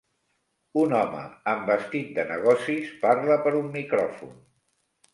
Un home amb vestit de negocis parla per un micròfon.